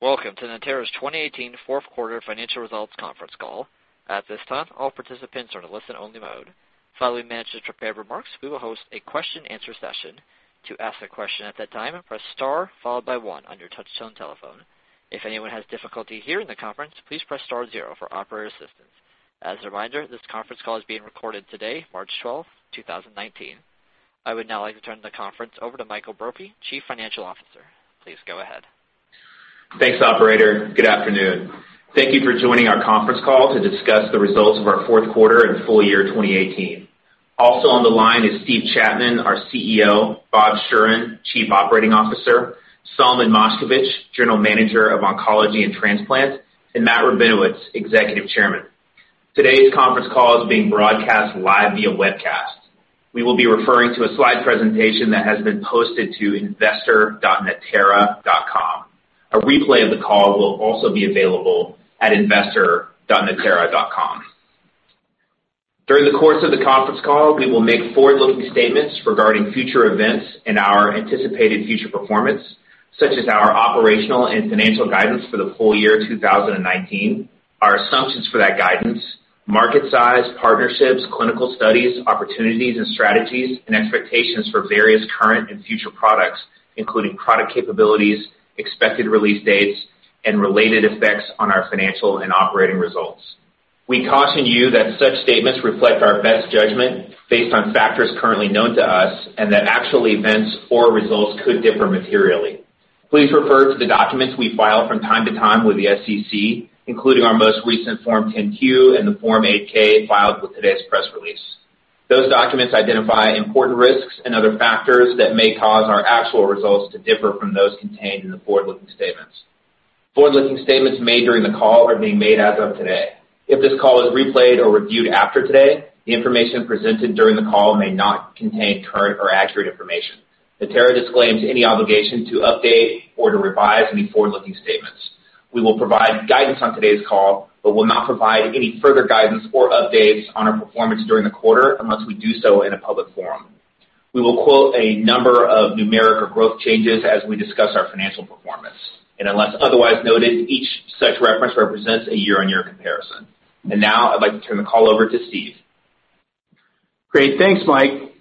Welcome to Natera's 2018 fourth quarter financial results conference call. At this time, all participants are in a listen-only mode. Following management's prepared remarks, we will host a question and answer session. To ask a question at that time, press star followed by one on your touchtone telephone. If anyone has difficulty hearing the conference, please press star zero for operator assistance. As a reminder, this conference call is being recorded today, March 12th, 2019. I would now like to turn the conference over to Michael Brophy, Chief Financial Officer. Please go ahead. Thanks, operator. Good afternoon. Thank you for joining our conference call to discuss the results of our fourth quarter and full year 2018. Also on the line is Steve Chapman, our CEO, Bob Schueren, Chief Operating Officer, Solomon Moshkevich, General Manager of Oncology and Transplants, and Matt Rabinowitz, Executive Chairman. Today's conference call is being broadcast live via webcast. We will be referring to a slide presentation that has been posted to investor.natera.com. A replay of the call will also be available at investor.natera.com. During the course of the conference call, we will make forward-looking statements regarding future events and our anticipated future performance, such as our operational and financial guidance for the full year 2019, our assumptions for that guidance, market size, partnerships, clinical studies, opportunities and strategies, and expectations for various current and future products, including product capabilities, expected release dates, and related effects on our financial and operating results. We caution you that such statements reflect our best judgment based on factors currently known to us and that actual events or results could differ materially. Please refer to the documents we file from time to time with the SEC, including our most recent Form 10-Q and the Form 8-K filed with today's press release. Those documents identify important risks and other factors that may cause our actual results to differ from those contained in the forward-looking statements. Forward-looking statements made during the call are being made as of today. If this call is replayed or reviewed after today, the information presented during the call may not contain current or accurate information. Natera disclaims any obligation to update or to revise any forward-looking statements. We will provide guidance on today's call, but will not provide any further guidance or updates on our performance during the quarter unless we do so in a public forum. We will quote a number of numeric or growth changes as we discuss our financial performance, and unless otherwise noted, each such reference represents a year-on-year comparison. Now I'd like to turn the call over to Steve. Great. Thanks, Mike.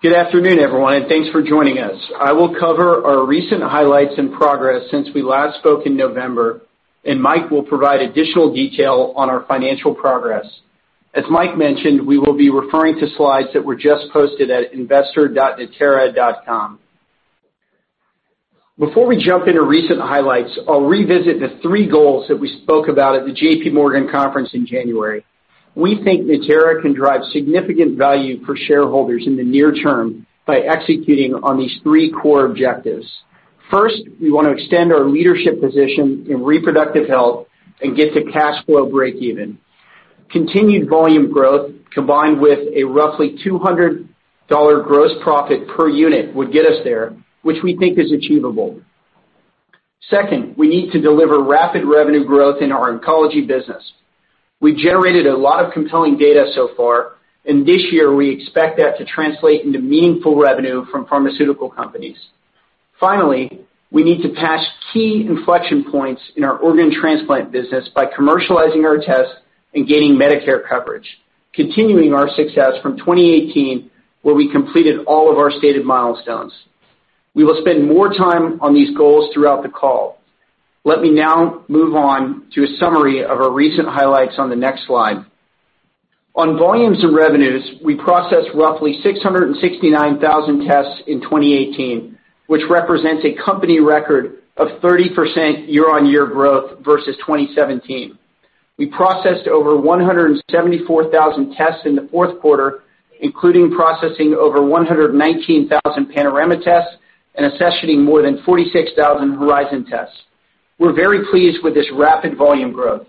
Good afternoon, everyone, and thanks for joining us. I will cover our recent highlights and progress since we last spoke in November, and Mike will provide additional detail on our financial progress. As Mike mentioned, we will be referring to slides that were just posted at investor.natera.com. Before we jump into recent highlights, I'll revisit the three goals that we spoke about at the JP Morgan conference in January. We think Natera can drive significant value for shareholders in the near term by executing on these three core objectives. First, we want to extend our leadership position in reproductive health and get to cash flow break even. Continued volume growth, combined with a roughly $200 gross profit per unit would get us there, which we think is achievable. Second, we need to deliver rapid revenue growth in our oncology business. We've generated a lot of compelling data so far, and this year we expect that to translate into meaningful revenue from pharmaceutical companies. Finally, we need to pass key inflection points in our organ transplant business by commercializing our tests and gaining Medicare coverage, continuing our success from 2018, where we completed all of our stated milestones. We will spend more time on these goals throughout the call. Let me now move on to a summary of our recent highlights on the next slide. On volumes and revenues, we processed roughly 669,000 tests in 2018, which represents a company record of 30% year-on-year growth versus 2017. We processed over 174,000 tests in the fourth quarter, including processing over 119,000 Panorama tests and accessioning more than 46,000 Horizon tests. We're very pleased with this rapid volume growth.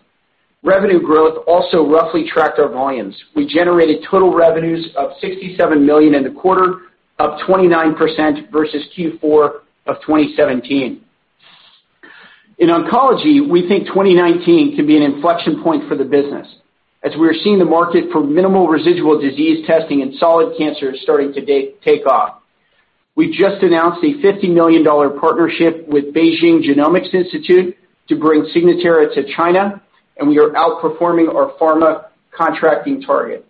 Revenue growth also roughly tracked our volumes. We generated total revenues of $67 million in the quarter, up 29% versus Q4 of 2017. In oncology, we think 2019 can be an inflection point for the business, as we are seeing the market for minimal residual disease testing and solid cancer starting to take off. We just announced a $50 million partnership with BGI Genomics to bring Signatera to China, and we are outperforming our pharma contracting target.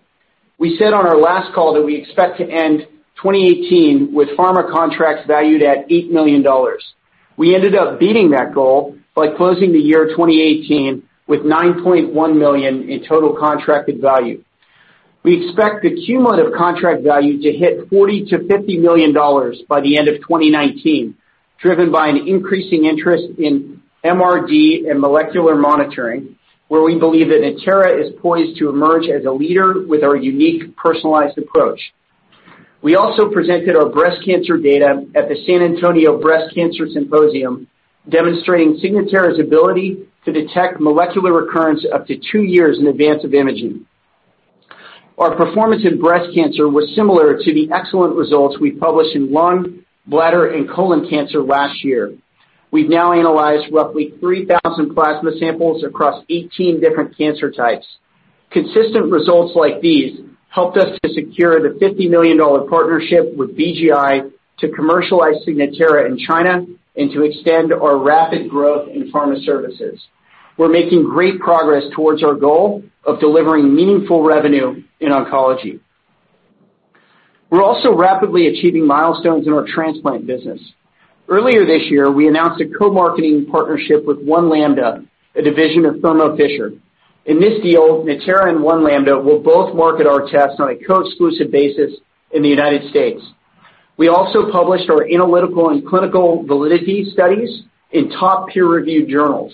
We said on our last call that we expect to end 2018 with pharma contracts valued at $8 million. We ended up beating that goal by closing the year 2018 with $9.1 million in total contracted value. We expect the cumulative contract value to hit $40 million-$50 million by the end of 2019, driven by an increasing interest in MRD and molecular monitoring, where we believe that Natera is poised to emerge as a leader with our unique personalized approach. We also presented our breast cancer data at the San Antonio Breast Cancer Symposium, demonstrating Signatera's ability to detect molecular recurrence up to two years in advance of imaging. Our performance in breast cancer was similar to the excellent results we published in lung, bladder, and colon cancer last year. We've now analyzed roughly 3,000 plasma samples across 18 different cancer types. Consistent results like these helped us to secure the $50 million partnership with BGI to commercialize Signatera in China and to extend our rapid growth in pharma services. We're making great progress towards our goal of delivering meaningful revenue in oncology. We're also rapidly achieving milestones in our transplant business. Earlier this year, we announced a co-marketing partnership with One Lambda, a division of Thermo Fisher. In this deal, Natera and One Lambda will both market our tests on a co-exclusive basis in the United States. We also published our analytical and clinical validity studies in top peer-reviewed journals.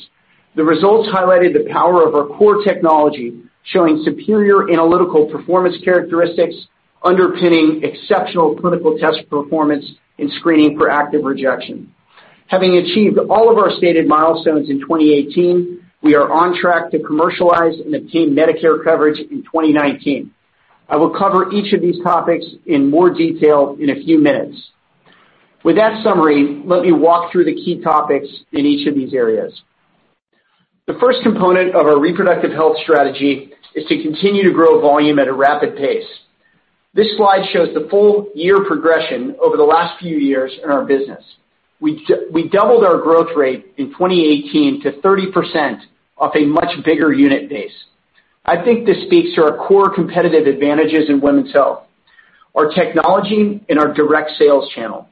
The results highlighted the power of our core technology, showing superior analytical performance characteristics underpinning exceptional clinical test performance in screening for active rejection. Having achieved all of our stated milestones in 2018, we are on track to commercialize and obtain Medicare coverage in 2019. I will cover each of these topics in more detail in a few minutes. With that summary, let me walk through the key topics in each of these areas. The first component of our reproductive health strategy is to continue to grow volume at a rapid pace. This slide shows the full year progression over the last few years in our business. We doubled our growth rate in 2018 to 30% off a much bigger unit base. I think this speaks to our core competitive advantages in women's health, our technology, and our direct sales channel.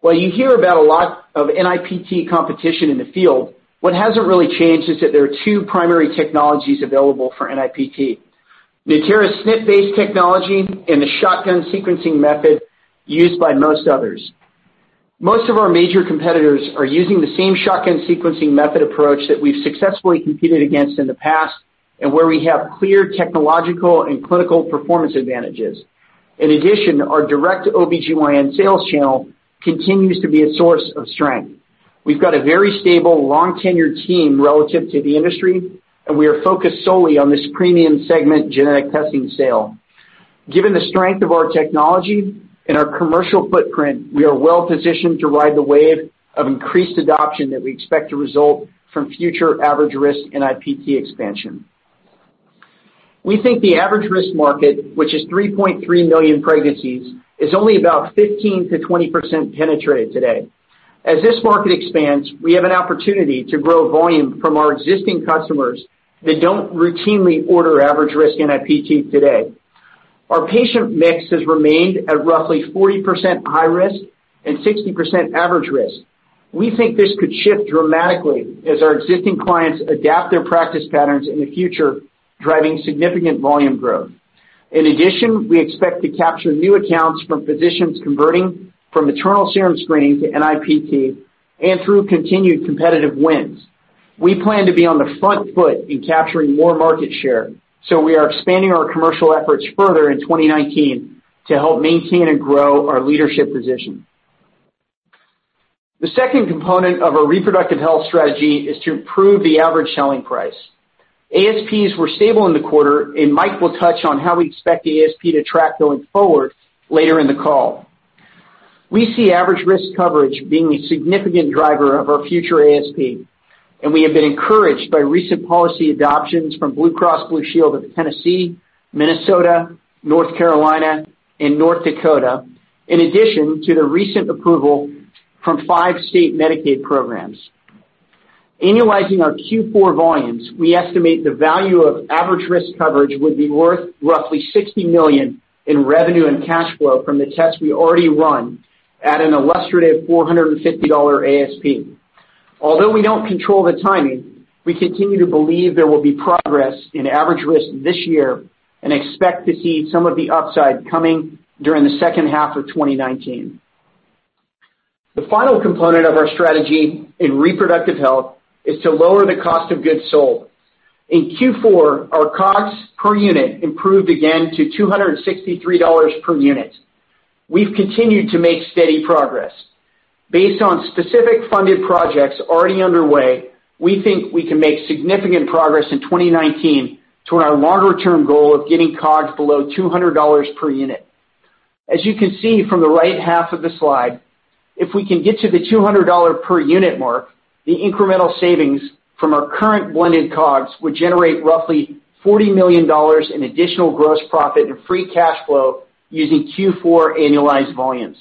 While you hear about a lot of NIPT competition in the field, what hasn't really changed is that there are two primary technologies available for NIPT: Natera's SNP-based technology and the shotgun sequencing method used by most others. Most of our major competitors are using the same shotgun sequencing method approach that we've successfully competed against in the past and where we have clear technological and clinical performance advantages. In addition, our direct OB-GYN sales channel continues to be a source of strength. We've got a very stable, long-tenured team relative to the industry, and we are focused solely on this premium segment genetic testing sale. Given the strength of our technology and our commercial footprint, we are well-positioned to ride the wave of increased adoption that we expect to result from future average risk NIPT expansion. We think the average-risk market, which is 3.3 million pregnancies, is only about 15%-20% penetrated today. As this market expands, we have an opportunity to grow volume from our existing customers that don't routinely order average-risk NIPT today. Our patient mix has remained at roughly 40% high risk and 60% average risk. We think this could shift dramatically as our existing clients adapt their practice patterns in the future, driving significant volume growth. In addition, we expect to capture new accounts from physicians converting from maternal serum screening to NIPT and through continued competitive wins. We plan to be on the front foot in capturing more market share, so we are expanding our commercial efforts further in 2019 to help maintain and grow our leadership position. The second component of our reproductive health strategy is to improve the average selling price. ASPs were stable in the quarter, and Mike will touch on how we expect the ASP to track going forward later in the call. We see average-risk coverage being a significant driver of our future ASP, and we have been encouraged by recent policy adoptions from Blue Cross Blue Shield of Tennessee, Minnesota, North Carolina, and North Dakota, in addition to the recent approval from five state Medicaid programs. Annualizing our Q4 volumes, we estimate the value of average-risk coverage would be worth roughly $60 million in revenue and cash flow from the tests we already run at an illustrative $450 ASP. Although we don't control the timing, we continue to believe there will be progress in average risk this year and expect to see some of the upside coming during the second half of 2019. The final component of our strategy in reproductive health is to lower the cost of goods sold. In Q4, our COGS per unit improved again to $263 per unit. We've continued to make steady progress. Based on specific funded projects already underway, we think we can make significant progress in 2019 toward our longer-term goal of getting COGS below $200 per unit. As you can see from the right half of the slide, if we can get to the $200 per unit mark, the incremental savings from our current blended COGS would generate roughly $40 million in additional gross profit and free cash flow using Q4 annualized volumes.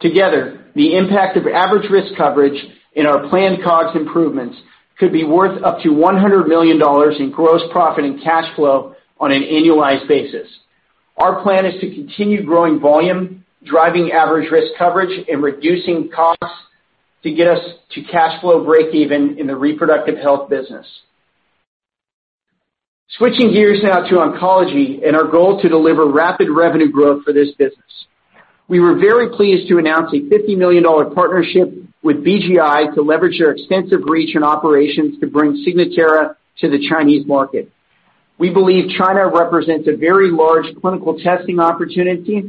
Together, the impact of average-risk coverage and our planned COGS improvements could be worth up to $100 million in gross profit and cash flow on an annualized basis. Our plan is to continue growing volume, driving average-risk coverage, and reducing costs to get us to cash flow breakeven in the reproductive health business. Switching gears now to oncology and our goal to deliver rapid revenue growth for this business. We were very pleased to announce a $50 million partnership with BGI to leverage their extensive reach and operations to bring Signatera to the Chinese market. We believe China represents a very large clinical testing opportunity,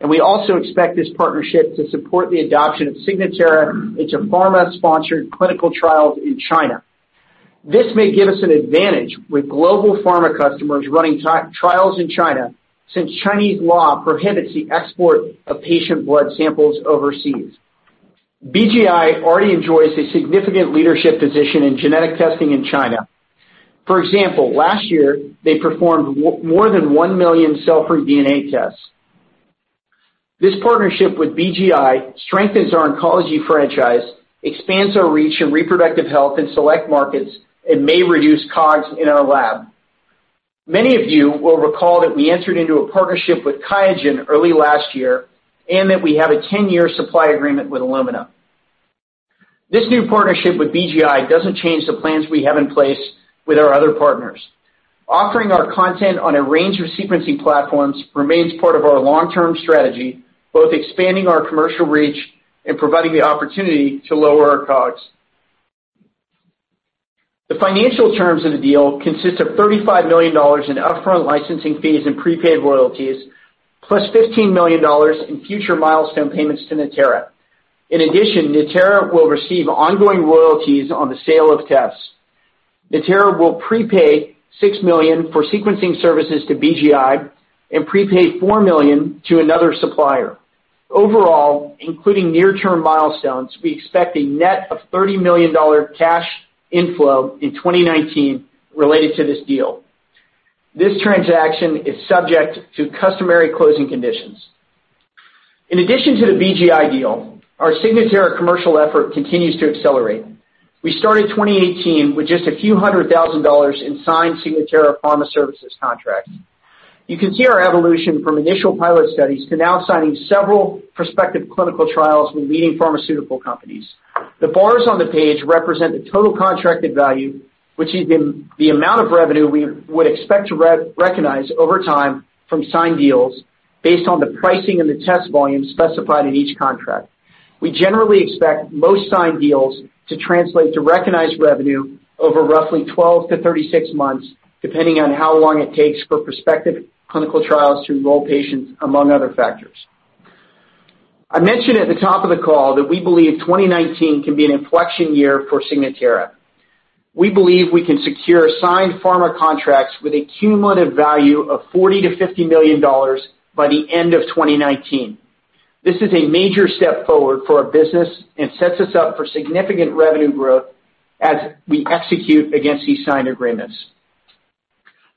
and we also expect this partnership to support the adoption of Signatera into pharma-sponsored clinical trials in China. This may give us an advantage with global pharma customers running trials in China, since Chinese law prohibits the export of patient blood samples overseas. BGI already enjoys a significant leadership position in genetic testing in China. For example, last year, they performed more than 1 million cell-free DNA tests. This partnership with BGI strengthens our oncology franchise, expands our reach in reproductive health in select markets, and may reduce COGS in our lab. Many of you will recall that we entered into a partnership with QIAGEN early last year and that we have a 10-year supply agreement with Illumina. This new partnership with BGI doesn't change the plans we have in place with our other partners. Offering our content on a range of sequencing platforms remains part of our long-term strategy, both expanding our commercial reach and providing the opportunity to lower our COGS. The financial terms of the deal consist of $35 million in upfront licensing fees and prepaid royalties, plus $15 million in future milestone payments to Natera. In addition, Natera will receive ongoing royalties on the sale of tests. Natera will prepay $6 million for sequencing services to BGI and prepay $4 million to another supplier. Overall, including near-term milestones, we expect a net of $30 million cash inflow in 2019 related to this deal. This transaction is subject to customary closing conditions. In addition to the BGI deal, our Signatera commercial effort continues to accelerate. We started 2018 with just a few hundred thousand dollars in signed Signatera pharma services contracts. You can see our evolution from initial pilot studies to now signing several prospective clinical trials with leading pharmaceutical companies. The bars on the page represent the total contracted value, which is the amount of revenue we would expect to recognize over time from signed deals based on the pricing and the test volume specified in each contract. We generally expect most signed deals to translate to recognized revenue over roughly 12 to 36 months, depending on how long it takes for prospective clinical trials to enroll patients, among other factors. I mentioned at the top of the call that we believe 2019 can be an inflection year for Signatera. We believe we can secure signed pharma contracts with a cumulative value of $40 million to $50 million by the end of 2019. This is a major step forward for our business and sets us up for significant revenue growth as we execute against these signed agreements.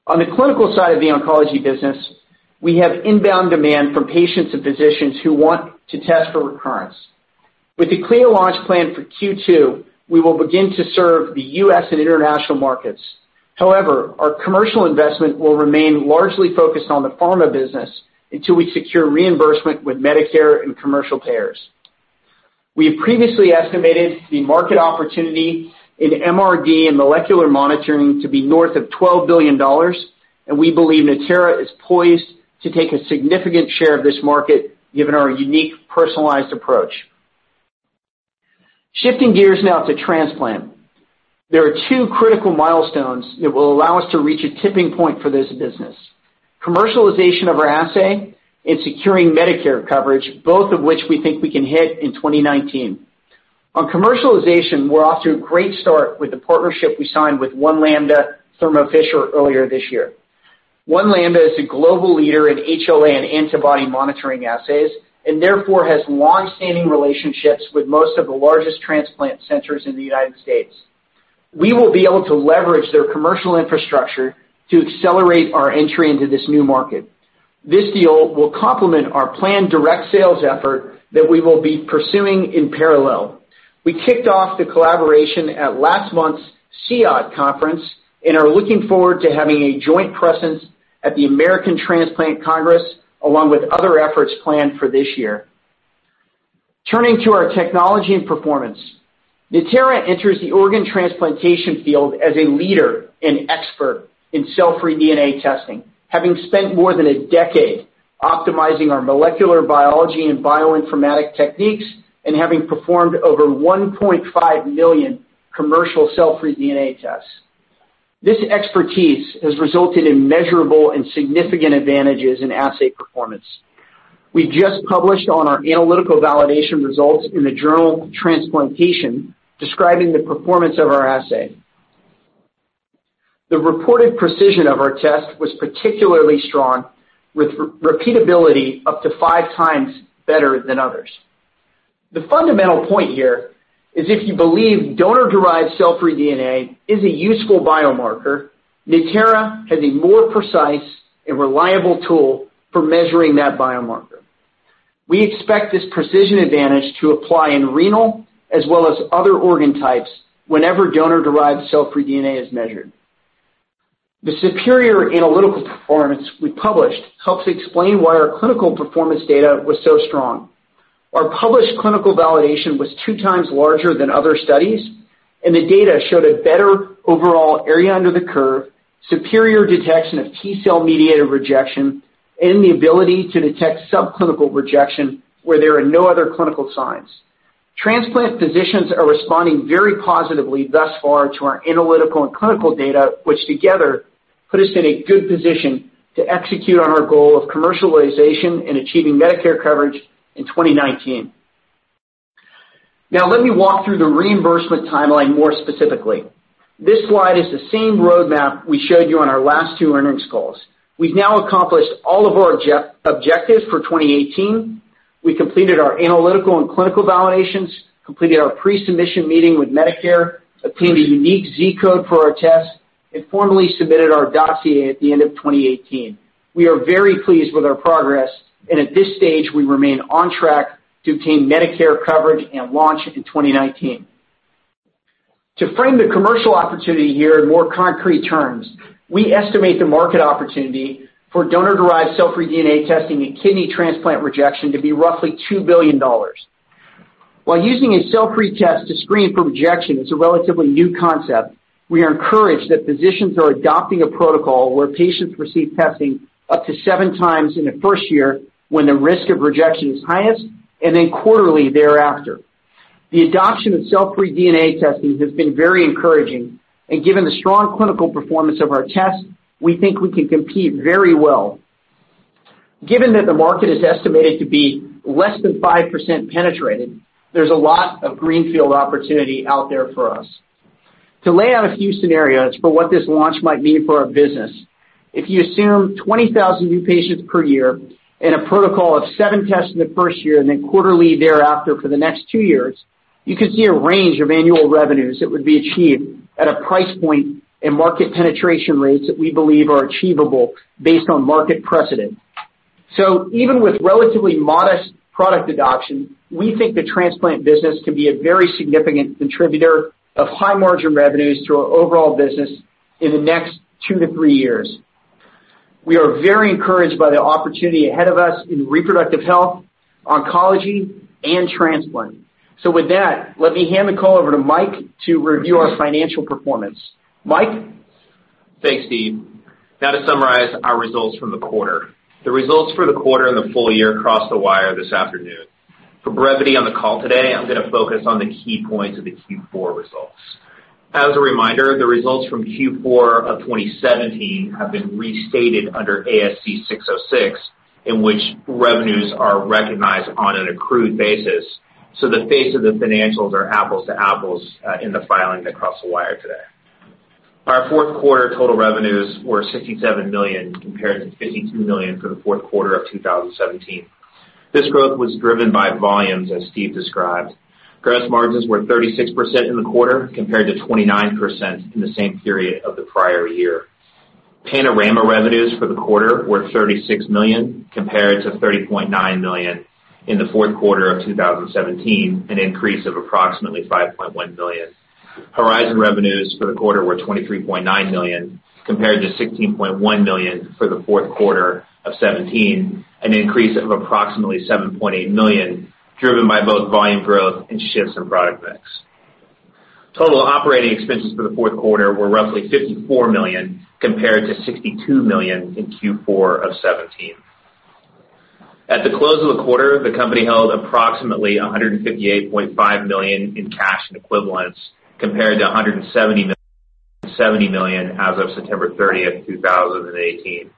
On the clinical side of the oncology business, we have inbound demand from patients and physicians who want to test for recurrence. With the CLIA launch planned for Q2, we will begin to serve the U.S. and international markets. Our commercial investment will remain largely focused on the pharma business until we secure reimbursement with Medicare and commercial payers. We have previously estimated the market opportunity in MRD and molecular monitoring to be north of $12 billion. We believe Natera is poised to take a significant share of this market given our unique personalized approach. Shifting gears now to transplant. There are two critical milestones that will allow us to reach a tipping point for this business, commercialization of our assay and securing Medicare coverage, both of which we think we can hit in 2019. On commercialization, we're off to a great start with the partnership we signed with One Lambda, Thermo Fisher earlier this year. One Lambda is a global leader in HLA and antibody monitoring assays, and therefore has longstanding relationships with most of the largest transplant centers in the U.S. We will be able to leverage their commercial infrastructure to accelerate our entry into this new market. This deal will complement our planned direct sales effort that we will be pursuing in parallel. We kicked off the collaboration at last month's CEoT conference and are looking forward to having a joint presence at the American Transplant Congress, along with other efforts planned for this year. Turning to our technology and performance. Natera enters the organ transplantation field as a leader and expert in cell-free DNA testing, having spent more than a decade optimizing our molecular biology and bioinformatic techniques and having performed over 1.5 million commercial cell-free DNA tests. This expertise has resulted in measurable and significant advantages in assay performance. We just published on our analytical validation results in the journal *Transplantation* describing the performance of our assay. The reported precision of our test was particularly strong, with repeatability up to five times better than others. The fundamental point here is if you believe donor-derived cell-free DNA is a useful biomarker, Natera has a more precise and reliable tool for measuring that biomarker. We expect this precision advantage to apply in renal as well as other organ types whenever donor-derived cell-free DNA is measured. The superior analytical performance we published helps explain why our clinical performance data was so strong. Our published clinical validation was two times larger than other studies, and the data showed a better overall area under the curve, superior detection of T-cell-mediated rejection, and the ability to detect subclinical rejection where there are no other clinical signs. Transplant physicians are responding very positively thus far to our analytical and clinical data, which together put us in a good position to execute on our goal of commercialization and achieving Medicare coverage in 2019. Let me walk through the reimbursement timeline more specifically. This slide is the same roadmap we showed you on our last two earnings calls. We've now accomplished all of our objectives for 2018. We completed our analytical and clinical validations, completed our pre-submission meeting with Medicare, obtained a unique Z code for our test, and formally submitted our dossier at the end of 2018. We are very pleased with our progress, and at this stage, we remain on track to obtain Medicare coverage and launch in 2019. To frame the commercial opportunity here in more concrete terms, we estimate the market opportunity for donor-derived cell-free DNA testing in kidney transplant rejection to be roughly $2 billion. While using a cell-free test to screen for rejection is a relatively new concept, we are encouraged that physicians are adopting a protocol where patients receive testing up to seven times in the first year, when the risk of rejection is highest, and then quarterly thereafter. The adoption of cell-free DNA testing has been very encouraging, and given the strong clinical performance of our test, we think we can compete very well. Given that the market is estimated to be less than 5% penetrated, there's a lot of greenfield opportunity out there for us. To lay out a few scenarios for what this launch might mean for our business, if you assume 20,000 new patients per year and a protocol of seven tests in the first year, and then quarterly thereafter for the next two years, you could see a range of annual revenues that would be achieved at a price point and market penetration rates that we believe are achievable based on market precedent. Even with relatively modest product adoption, we think the transplant business can be a very significant contributor of high-margin revenues to our overall business in the next two to three years. We are very encouraged by the opportunity ahead of us in reproductive health, oncology, and transplant. With that, let me hand the call over to Mike to review our financial performance. Mike? Thanks, Steve. To summarize our results from the quarter. The results for the quarter and the full year crossed the wire this afternoon. For brevity on the call today, I'm going to focus on the key points of the Q4 results. As a reminder, the results from Q4 of 2017 have been restated under ASC 606, in which revenues are recognized on an accrued basis, the face of the financials are apples to apples in the filing that crossed the wire today. Our fourth quarter total revenues were $67 million compared to $52 million for the fourth quarter of 2017. This growth was driven by volumes, as Steve described. Gross margins were 36% in the quarter, compared to 29% in the same period of the prior year. Panorama revenues for the quarter were $36 million compared to $30.9 million in the fourth quarter of 2017, an increase of approximately $5.1 million. Horizon revenues for the quarter were $23.9 million compared to $16.1 million for the fourth quarter of 2017, an increase of approximately $7.8 million, driven by both volume growth and shifts in product mix. Total operating expenses for the fourth quarter were roughly $54 million compared to $62 million in Q4 of 2017. At the close of the quarter, the company held approximately $158.5 million in cash and equivalents, compared to $170 million as of September 30th, 2018.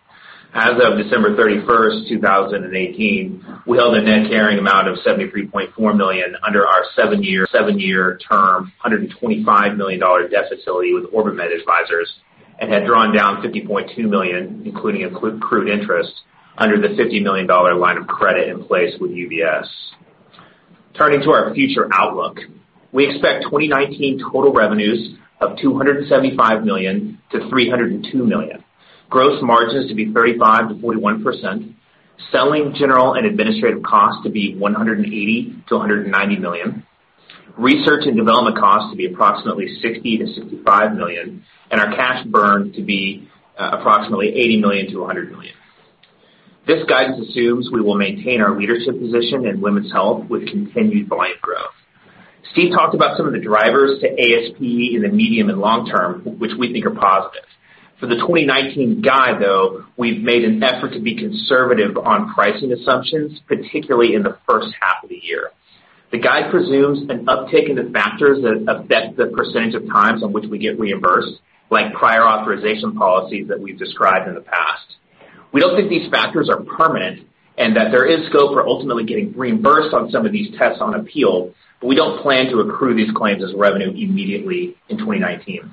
As of December 31st, 2018, we held a net carrying amount of $73.4 million under our seven-year term $125 million debt facility with OrbiMed Advisors and had drawn down $50.2 million, including accrued interest under the $50 million line of credit in place with UBS. Turning to our future outlook, we expect 2019 total revenues of $275 million-$302 million, gross margins to be 35%-41%, selling general and administrative costs to be $180 million-$190 million, research and development costs to be approximately $60 million-$65 million, and our cash burn to be approximately $80 million-$100 million. This guidance assumes we will maintain our leadership position in women's health with continued volume growth. Steve talked about some of the drivers to ASP in the medium and long term, which we think are positive. For the 2019 guide, though, we've made an effort to be conservative on pricing assumptions, particularly in the first half of the year. The guide presumes an uptick in the factors that affect the % of times on which we get reimbursed, like prior authorization policies that we've described in the past. We don't think these factors are permanent and that there is scope for ultimately getting reimbursed on some of these tests on appeal, but we don't plan to accrue these claims as revenue immediately in 2019.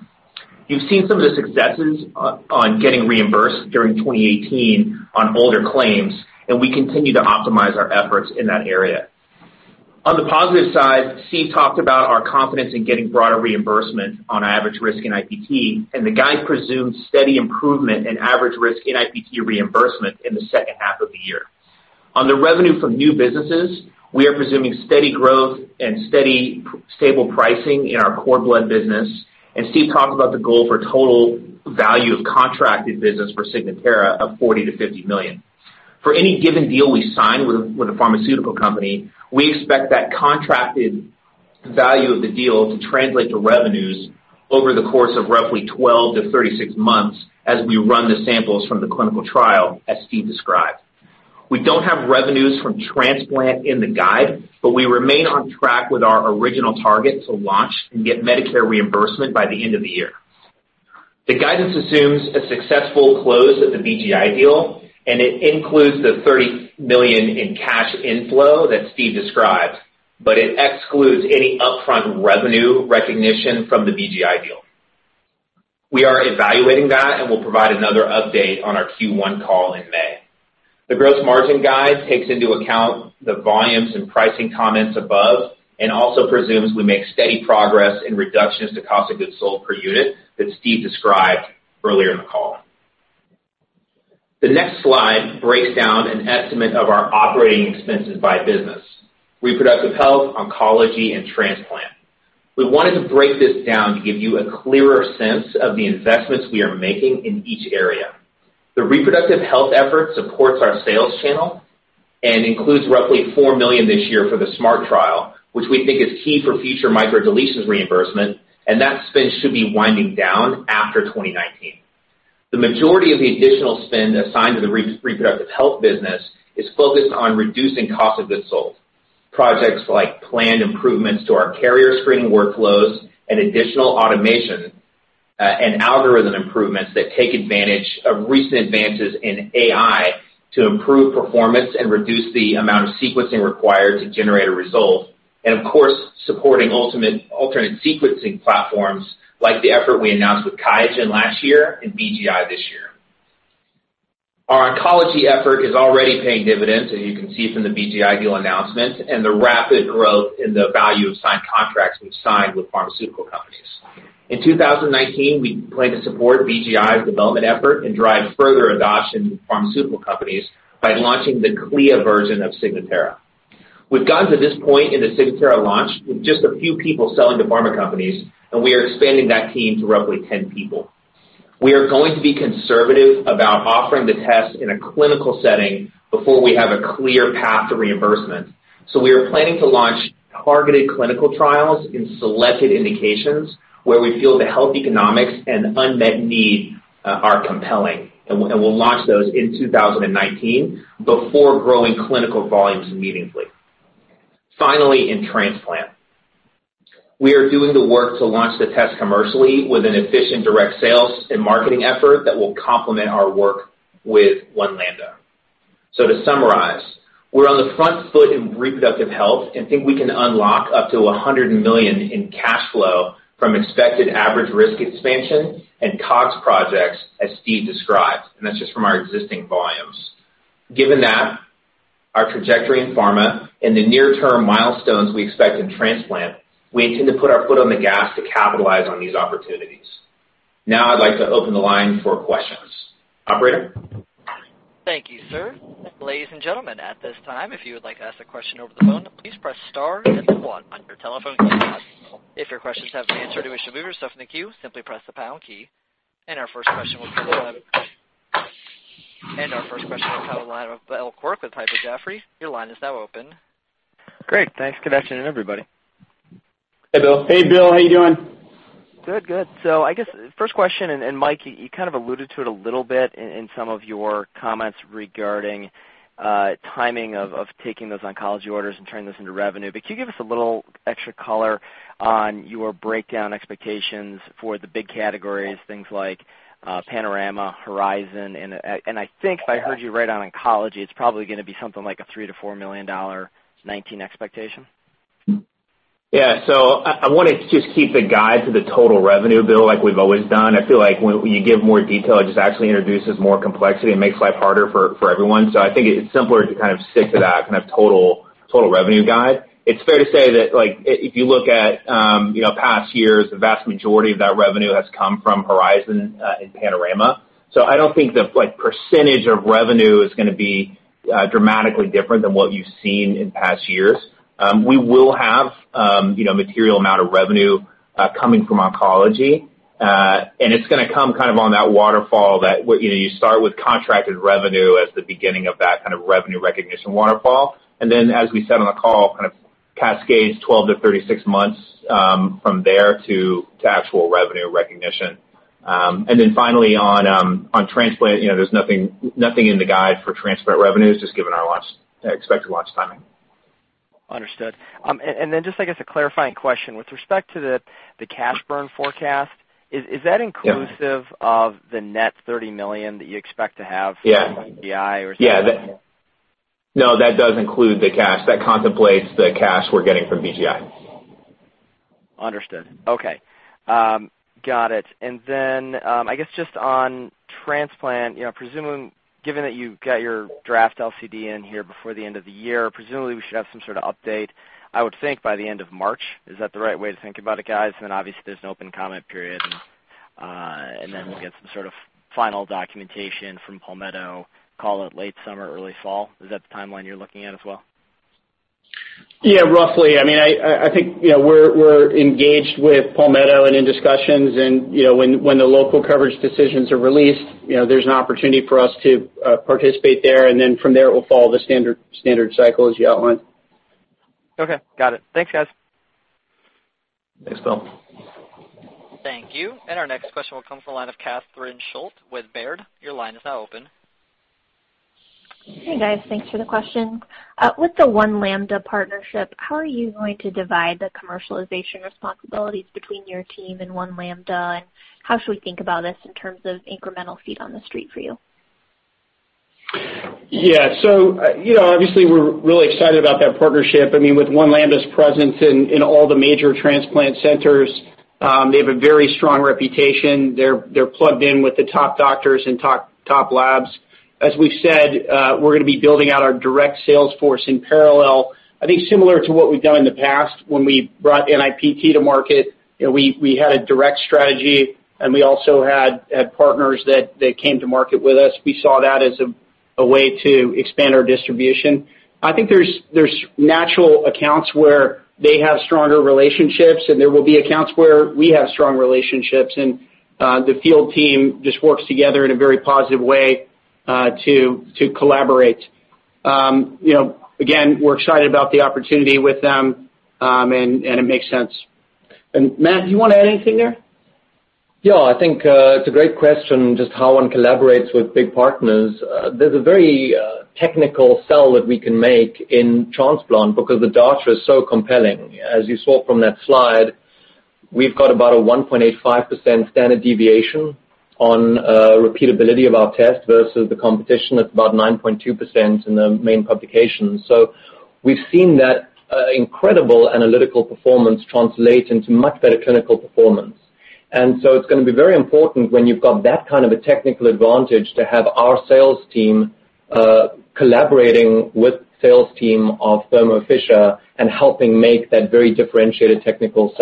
You've seen some of the successes on getting reimbursed during 2018 on older claims, and we continue to optimize our efforts in that area. On the positive side, Steve talked about our confidence in getting broader reimbursement on average risk NIPT, and the guide presumes steady improvement in average risk NIPT reimbursement in the second half of the year. On the revenue from new businesses, we are presuming steady growth and steady, stable pricing in our core blood business, and Steve talked about the goal for total value of contracted business for Signatera of $40 million-$50 million. For any given deal we sign with a pharmaceutical company, we expect that contracted value of the deal to translate to revenues over the course of roughly 12 to 36 months as we run the samples from the clinical trial, as Steve described. We don't have revenues from transplant in the guide, but we remain on track with our original target to launch and get Medicare reimbursement by the end of the year. The guidance assumes a successful close of the BGI deal, and it includes the $30 million in cash inflow that Steve described, but it excludes any upfront revenue recognition from the BGI deal. We are evaluating that and will provide another update on our Q1 call in May. The gross margin guide takes into account the volumes and pricing comments above and also presumes we make steady progress in reductions to cost of goods sold per unit that Steve described earlier in the call. The next slide breaks down an estimate of our operating expenses by business, reproductive health, oncology, and transplant. We wanted to break this down to give you a clearer sense of the investments we are making in each area. The reproductive health effort supports our sales channel and includes roughly $4 million this year for the SMART Trial, which we think is key for future microdeletions reimbursement, and that spend should be winding down after 2019. The majority of the additional spend assigned to the reproductive health business is focused on reducing cost of goods sold. Projects like planned improvements to our carrier screening workflows and additional automation, and algorithm improvements that take advantage of recent advances in AI to improve performance and reduce the amount of sequencing required to generate a result, and of course, supporting alternate sequencing platforms like the effort we announced with QIAGEN last year and BGI this year. Our oncology effort is already paying dividends, as you can see from the BGI deal announcement and the rapid growth in the value of signed contracts we've signed with pharmaceutical companies. In 2019, we plan to support BGI's development effort and drive further adoption with pharmaceutical companies by launching the CLIA version of Signatera. We've gotten to this point in the Signatera launch with just a few people selling to pharma companies, and we are expanding that team to roughly 10 people. We are going to be conservative about offering the test in a clinical setting before we have a clear path to reimbursement. We are planning to launch targeted clinical trials in selected indications where we feel the health economics and unmet need are compelling. We'll launch those in 2019 before growing clinical volumes meaningfully. Finally, in transplant. We are doing the work to launch the test commercially with an efficient direct sales and marketing effort that will complement our work with One Lambda. To summarize, we're on the front foot in reproductive health and think we can unlock up to $100 million in cash flow from expected average risk expansion and COGS projects as Steve described, and that's just from our existing volumes. Given that, our trajectory in pharma and the near-term milestones we expect in transplant, we intend to put our foot on the gas to capitalize on these opportunities. Now I'd like to open the line for questions. Operator? Thank you, sir. Ladies and gentlemen, at this time, if you would like to ask a question over the phone, please press star then the one on your telephone keypad. If your questions have been answered or wish to remove yourself from the queue, simply press the pound key. Our first question will come from the line of Bill Quirk with Piper Jaffray. Your line is now open. Great. Thanks, good afternoon, everybody. Hey, Bill. Hey, Bill. How you doing? Good. I guess first question, Mike, you kind of alluded to it a little bit in some of your comments regarding timing of taking those oncology orders and turning those into revenue. Could you give us a little extra color on your breakdown expectations for the big categories, things like Panorama, Horizon, I think if I heard you right on oncology, it's probably going to be something like a $3 million-$4 million 2019 expectation? Yeah. I want to just keep the guide to the total revenue, Bill, like we've always done. I feel like when you give more detail, it just actually introduces more complexity and makes life harder for everyone. I think it's simpler to kind of stick to that kind of total revenue guide. It's fair to say that if you look at past years, the vast majority of that revenue has come from Horizon and Panorama. I don't think the percentage of revenue is going to be dramatically different than what you've seen in past years. We will have a material amount of revenue coming from oncology, and it's going to come on that waterfall that you start with contracted revenue as the beginning of that kind of revenue recognition waterfall. As we said on the call, kind of cascades 12-36 months from there to actual revenue recognition. Finally on transplant, there's nothing in the guide for transplant revenues, just given our expected launch timing. Understood. Just I guess a clarifying question. With respect to the cash burn forecast, is that inclusive of the net $30 million that you expect to have- Yeah from BGI or is that- No, that does include the cash. That contemplates the cash we're getting from BGI. Understood. Okay. Got it. I guess just on transplant, given that you got your draft LCD in here before the end of the year, presumably we should have some sort of update, I would think, by the end of March. Is that the right way to think about it, guys? Obviously there's an open comment period and then we'll get some sort of final documentation from Palmetto, call it late summer, early fall. Is that the timeline you're looking at as well? Yeah, roughly. I think we're engaged with Palmetto and in discussions when the local coverage decisions are released, there's an opportunity for us to participate there. Then from there it will follow the standard cycle as you outlined. Okay. Got it. Thanks, guys. Thanks, Bill. Thank you. Our next question will come from the line of Catherine Schulte with Baird. Your line is now open. Hey, guys. Thanks for the question. With the One Lambda partnership, how are you going to divide the commercialization responsibilities between your team and One Lambda? How should we think about this in terms of incremental feet on the street for you? Yeah. Obviously, we're really excited about that partnership. With One Lambda's presence in all the major transplant centers, they have a very strong reputation. They're plugged in with the top doctors and top labs. As we've said, we're going to be building out our direct sales force in parallel, I think similar to what we've done in the past when we brought NIPT to market. We had a direct strategy, and we also had partners that came to market with us. We saw that as a way to expand our distribution. I think there's natural accounts where they have stronger relationships, and there will be accounts where we have strong relationships, and the field team just works together in a very positive way to collaborate. Again, we're excited about the opportunity with them, and it makes sense. Matt, do you want to add anything there? Yeah, I think, it's a great question, just how one collaborates with big partners. There's a very technical sell that we can make in transplant because the data is so compelling. As you saw from that slide, we've got about a 1.85% standard deviation on repeatability of our test versus the competition at about 9.2% in the main publication. We've seen that incredible analytical performance translate into much better clinical performance. It's going to be very important when you've got that kind of a technical advantage to have our sales team collaborating with sales team of Thermo Fisher and helping make that very differentiated technical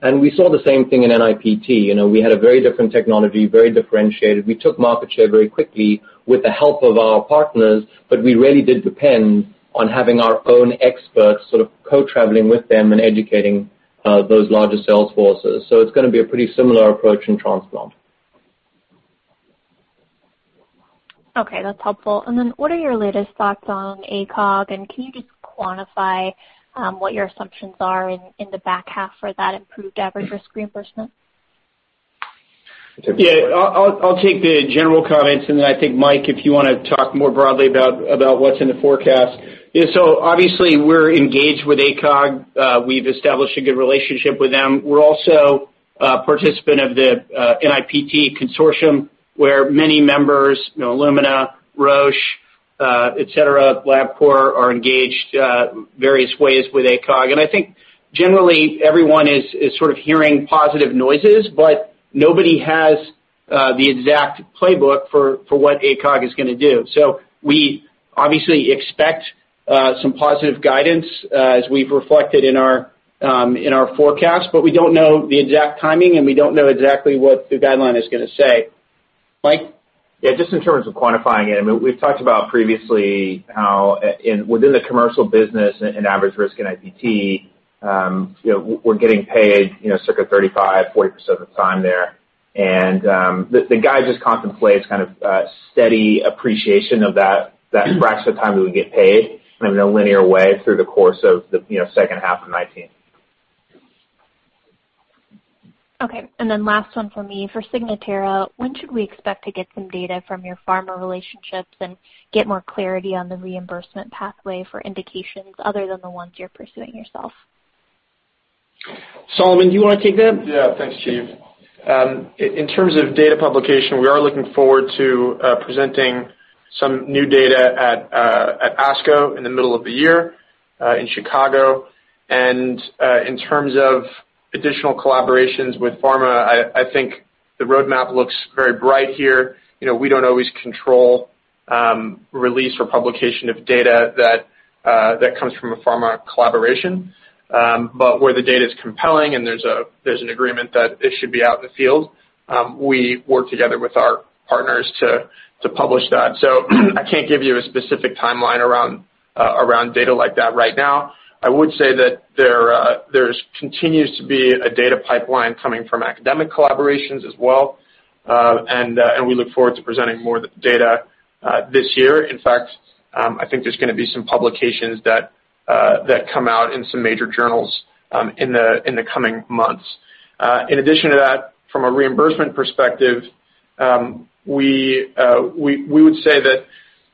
sell. We saw the same thing in NIPT. We had a very different technology, very differentiated. We took market share very quickly with the help of our partners, we really did depend on having our own experts sort of co-traveling with them and educating those larger sales forces. It's going to be a pretty similar approach in transplant. Okay, that's helpful. What are your latest thoughts on ACOG, and can you just quantify what your assumptions are in the back half for that improved average risk reimbursement? Yeah. I'll take the general comments. I think, Mike, if you want to talk more broadly about what's in the forecast. Obviously, we're engaged with ACOG. We've established a good relationship with them. We're also a participant of the NIPT consortium, where many members, Illumina, Roche, et cetera, LabCorp, are engaged various ways with ACOG. I think generally, everyone is sort of hearing positive noises, but nobody has the exact playbook for what ACOG is going to do. We obviously expect some positive guidance as we've reflected in our forecast, but we don't know the exact timing, and we don't know exactly what the guideline is going to say. Mike? Just in terms of quantifying it, we've talked about previously how within the commercial business and average risk NIPT, we're getting paid circa 35%-40% of the time there. The guide just contemplates kind of a steady appreciation of that fraction of time that we get paid in a linear way through the course of the second half of 2019. Last one from me. For Signatera, when should we expect to get some data from your pharma relationships and get more clarity on the reimbursement pathway for indications other than the ones you're pursuing yourself? Solomon, do you want to take that? Yeah, thanks, Steve. In terms of data publication, we are looking forward to presenting some new data at ASCO in the middle of the year, in Chicago. In terms of additional collaborations with pharma, I think the roadmap looks very bright here. We don't always control release or publication of data that comes from a pharma collaboration. Where the data's compelling and there's an agreement that it should be out in the field, we work together with our partners to publish that. I can't give you a specific timeline around data like that right now. I would say that there continues to be a data pipeline coming from academic collaborations as well, and we look forward to presenting more of the data this year. In fact, I think there's going to be some publications that come out in some major journals in the coming months. In addition to that, from a reimbursement perspective, we would say that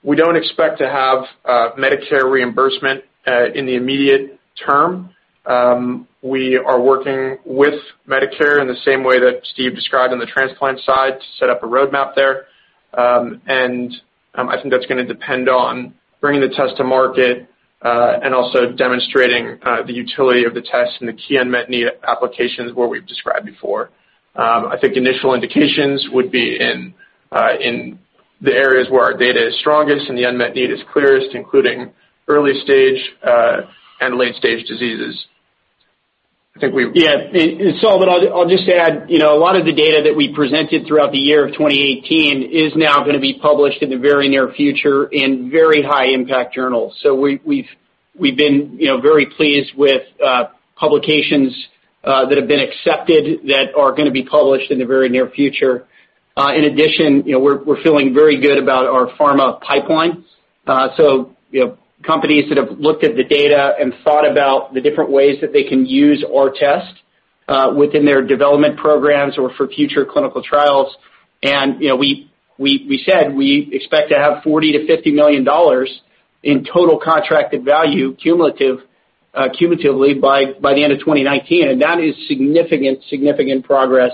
we don't expect to have Medicare reimbursement in the immediate term. We are working with Medicare in the same way that Steve described on the transplant side to set up a roadmap there. I think that's going to depend on bringing the test to market, and also demonstrating the utility of the test and the key unmet need applications where we've described before. I think initial indications would be in the areas where our data is strongest and the unmet need is clearest, including early stage and late-stage diseases. Yeah. Solomon, I'll just add, a lot of the data that we presented throughout the year of 2018 is now going to be published in the very near future in very high-impact journals. We've been very pleased with publications that have been accepted that are going to be published in the very near future. In addition, we're feeling very good about our pharma pipeline. Companies that have looked at the data and thought about the different ways that they can use our test within their development programs or for future clinical trials. We said we expect to have $40 million-$50 million in total contracted value cumulatively by the end of 2019, that is significant progress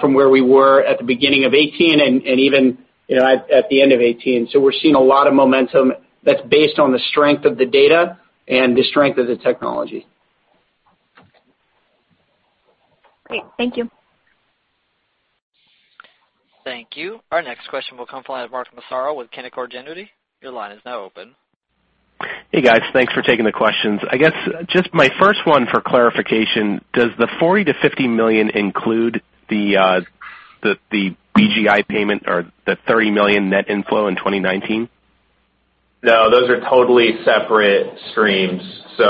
from where we were at the beginning of 2018 and even at the end of 2018. We're seeing a lot of momentum that's based on the strength of the data and the strength of the technology. Great. Thank you. Thank you. Our next question will come from Mark Massaro with Canaccord Genuity. Your line is now open. Hey, guys. Thanks for taking the questions. I guess, just my first one for clarification, does the $40 million-$50 million include the BGI payment or the $30 million net inflow in 2019? No, those are totally separate streams. The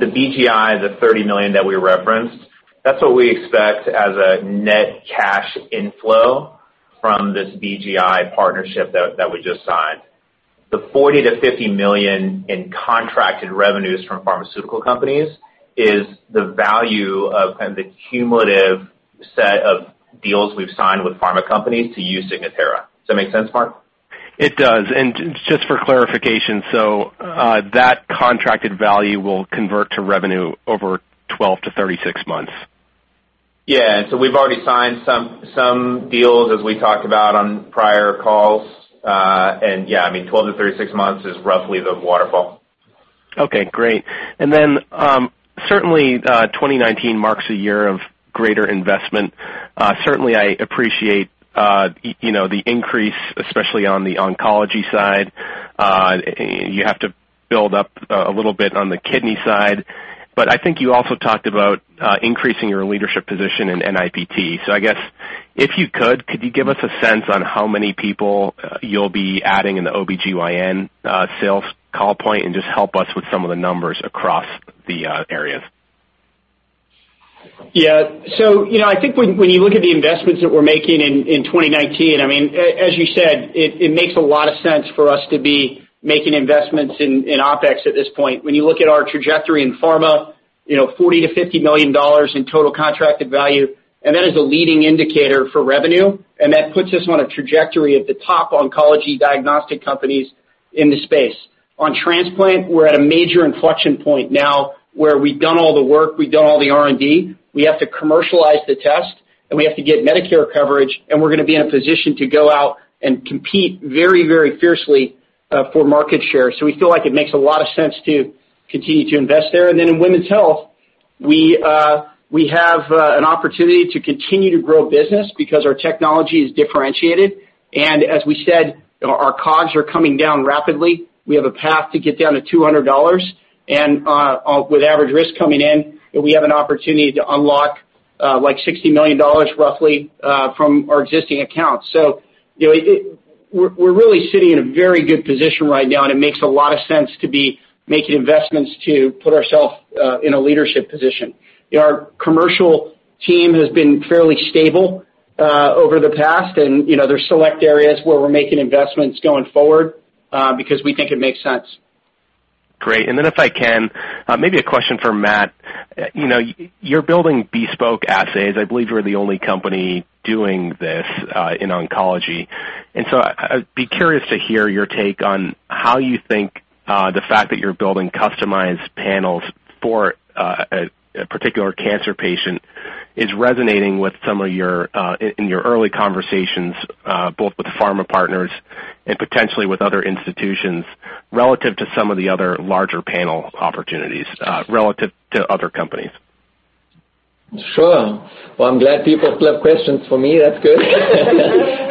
BGI, the $30 million that we referenced, that's what we expect as a net cash inflow from this BGI partnership that we just signed. The $40 million-$50 million in contracted revenues from pharmaceutical companies is the value of the cumulative set of deals we've signed with pharma companies to use Signatera. Does that make sense, Mark? It does. Just for clarification, that contracted value will convert to revenue over 12-36 months. Yeah. We've already signed some deals, as we talked about on prior calls. Yeah, I mean, 12-36 months is roughly the waterfall. Okay, great. Certainly, 2019 marks a year of greater investment. Certainly, I appreciate the increase, especially on the oncology side. You have to build up a little bit on the kidney side. I think you also talked about increasing your leadership position in NIPT. I guess, if you could you give us a sense on how many people you'll be adding in the OB-GYN sales call point and just help us with some of the numbers across the areas? I think when you look at the investments that we're making in 2019, as you said, it makes a lot of sense for us to be making investments in OpEx at this point. You look at our trajectory in pharma, $40 million-$50 million in total contracted value, that is a leading indicator for revenue, that puts us on a trajectory of the top oncology diagnostic companies in the space. Transplant, we're at a major inflection point now where we've done all the work, we've done all the R&D. Have to commercialize the test, we have to get Medicare coverage, we're going to be in a position to go out and compete very fiercely for market share. We feel like it makes a lot of sense to continue to invest there. In women's health, we have an opportunity to continue to grow business because our technology is differentiated. As we said, our COGS are coming down rapidly. We have a path to get down to $200. With average risk coming in, we have an opportunity to unlock like $60 million roughly from our existing accounts. We're really sitting in a very good position right now, it makes a lot of sense to be making investments to put ourselves in a leadership position. Our commercial team has been fairly stable over the past, there's select areas where we're making investments going forward because we think it makes sense. Great. If I can, maybe a question for Matt. You're building bespoke assays. I believe you're the only company doing this in oncology. I'd be curious to hear your take on how you think the fact that you're building customized panels for a particular cancer patient is resonating in your early conversations, both with pharma partners and potentially with other institutions, relative to some of the other larger panel opportunities, relative to other companies. Sure. I'm glad people still have questions for me. That's good.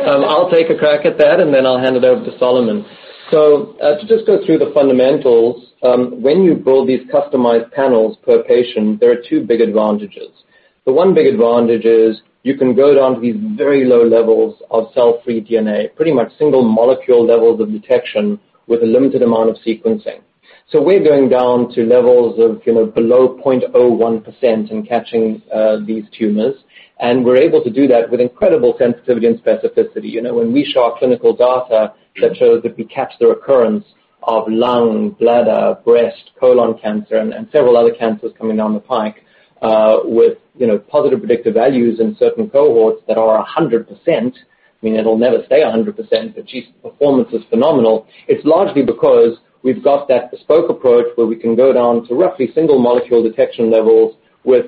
I'll take a crack at that, I'll hand it over to Solomon. To just go through the fundamentals, when you build these customized panels per patient, there are two big advantages. The one big advantage is you can go down to these very low levels of cell-free DNA, pretty much single molecule levels of detection with a limited amount of sequencing. We're going down to levels of below 0.01% in catching these tumors, we're able to do that with incredible sensitivity and specificity. We show our clinical data that shows that we catch the recurrence of lung, bladder, breast, colon cancer, and several other cancers coming down the pike with positive predictive values in certain cohorts that are 100%, I mean, it'll never stay 100%, geez, the performance is phenomenal. It's largely because we've got that bespoke approach where we can go down to roughly single molecule detection levels with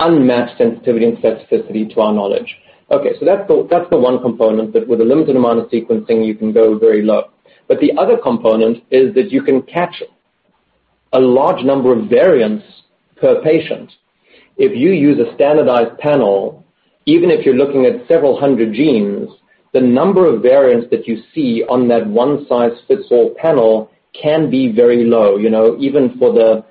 unmatched sensitivity and specificity to our knowledge. That's the one component that with a limited amount of sequencing, you can go very low. The other component is that you can catch a large number of variants per patient. If you use a standardized panel, even if you're looking at several hundred genes, the number of variants that you see on that one-size-fits-all panel can be very low. Even for the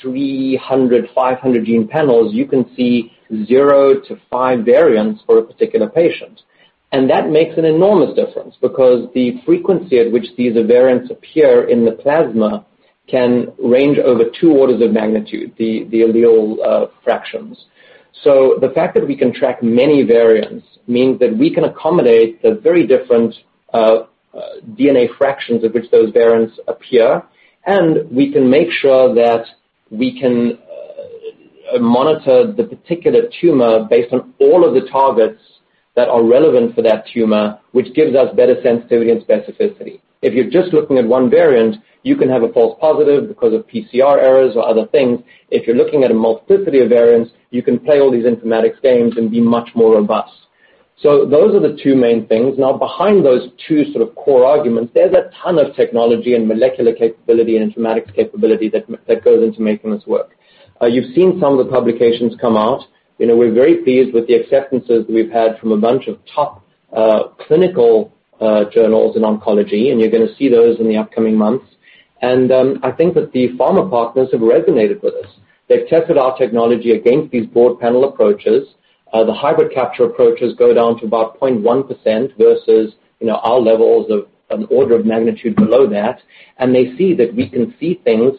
300, 500-gene panels, you can see zero to five variants for a particular patient. That makes an enormous difference because the frequency at which these variants appear in the plasma can range over two orders of magnitude, the allele fractions. The fact that we can track many variants means that we can accommodate the very different DNA fractions of which those variants appear. We can make sure that we can monitor the particular tumor based on all of the targets that are relevant for that tumor, which gives us better sensitivity and specificity. If you're just looking at one variant, you can have a false positive because of PCR errors or other things. If you're looking at a multiplicity of variants, you can play all these informatics games and be much more robust. Those are the two main things. Behind those two sort of core arguments, there's a ton of technology and molecular capability and informatics capability that goes into making this work. You've seen some of the publications come out. We're very pleased with the acceptances we've had from a bunch of top clinical journals in oncology, and you're going to see those in the upcoming months. I think that the pharma partners have resonated with us. They've tested our technology against these broad panel approaches. The hybrid capture approaches go down to about 0.1% versus our levels of an order of magnitude below that. They see that we can see things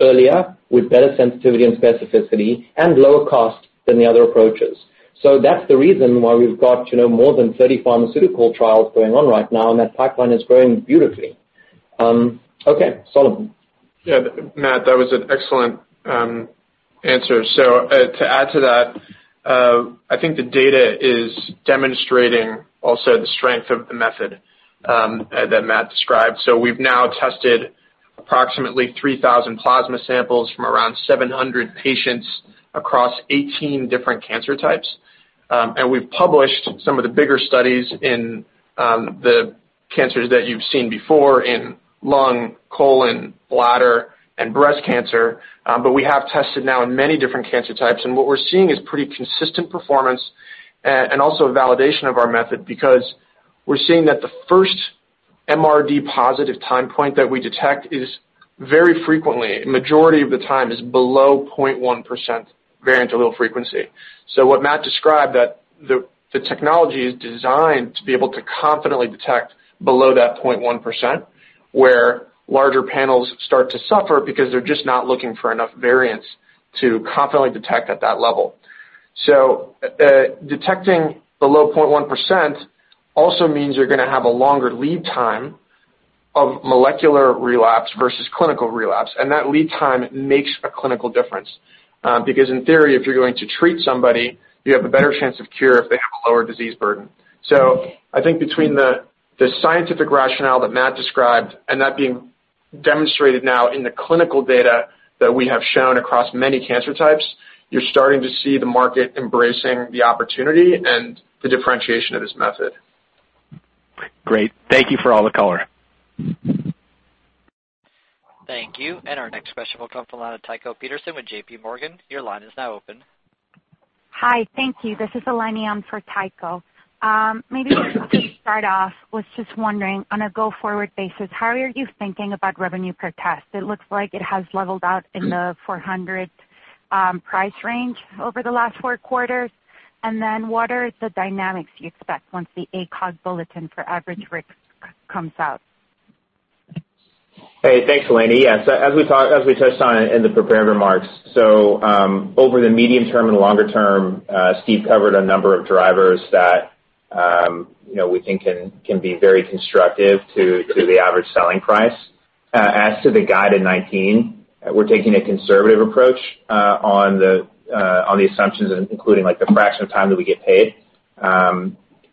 earlier with better sensitivity and specificity, and lower cost than the other approaches. That's the reason why we've got more than 30 pharmaceutical trials going on right now, and that pipeline is growing beautifully. Okay, Solomon. Matt, that was an excellent answer. To add to that, I think the data is demonstrating also the strength of the method that Matt described. We've now tested approximately 3,000 plasma samples from around 700 patients across 18 different cancer types. We've published some of the bigger studies in the cancers that you've seen before in lung, colon, bladder, and breast cancer. We have tested now in many different cancer types, and what we're seeing is pretty consistent performance and also a validation of our method, because we're seeing that the first MRD positive time point that we detect is very frequently, a majority of the time, is below 0.1% variant allele frequency. What Matt described, that the technology is designed to be able to confidently detect below that 0.1%, where larger panels start to suffer because they're just not looking for enough variants to confidently detect at that level. Detecting below 0.1% also means you're going to have a longer lead time of molecular relapse versus clinical relapse, and that lead time makes a clinical difference. Because in theory, if you're going to treat somebody, you have a better chance of cure if they have a lower disease burden. I think between the scientific rationale that Matt described and that being demonstrated now in the clinical data that we have shown across many cancer types, you're starting to see the market embracing the opportunity and the differentiation of this method. Great. Thank you for all the color. Thank you. Our next question will come from Eleni Tyko Peterson with JP Morgan. Your line is now open. Hi, thank you. This is Eleni in for Tycho. I was just wondering, on a go-forward basis, how are you thinking about revenue per test? It looks like it has leveled out in the $400 price range over the last four quarters. What are the dynamics you expect once the ACOG bulletin for average risk comes out? Hey, thanks, Eleni. Yes. As we touched on in the prepared remarks, over the medium term and longer term, Steve covered a number of drivers that we think can be very constructive to the average selling price. As to the guide in 2019, we're taking a conservative approach on the assumptions, including the fraction of time that we get paid,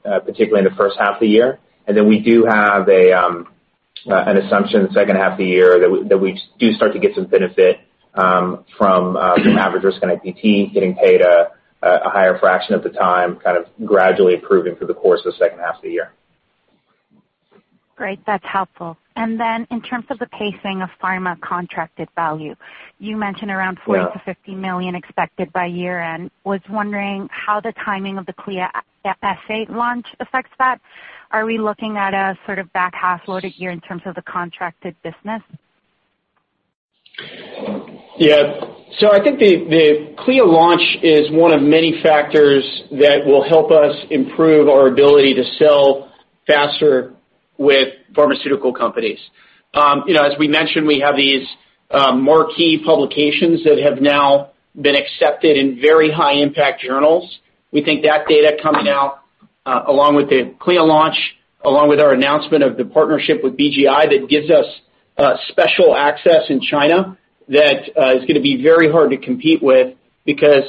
particularly in the first half of the year. We do have an assumption in the second half of the year that we do start to get some benefit from average-risk NIPT getting paid a higher fraction of the time, gradually improving through the course of the second half of the year. Great. That's helpful. In terms of the pacing of pharma contracted value, you mentioned around $40 million-$50 million expected by year-end. I was wondering how the timing of the CLIA assay launch affects that. Are we looking at a sort of back half load a year in terms of the contracted business? Yeah. I think the CLIA launch is one of many factors that will help us improve our ability to sell faster with pharmaceutical companies. As we mentioned, we have these more key publications that have now been accepted in very high-impact journals. We think that data coming out, along with the CLIA launch, along with our announcement of the partnership with BGI, that gives us special access in China that is going to be very hard to compete with, because